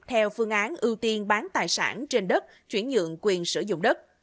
theo phương án ưu tiên bán tài sản trên đất chuyển nhượng quyền sử dụng đất